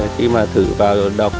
khi mà thử vào đọc